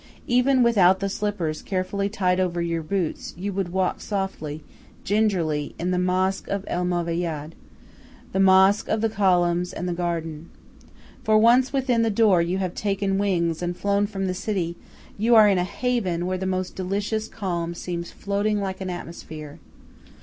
Even without the slippers carefully tied over your boots you would walk softly, gingerly, in the mosque of El Movayad, the mosque of the columns and the garden. For once within the door you have taken wings and flown from the city, you are in a haven where the most delicious calm seems floating like an atmosphere.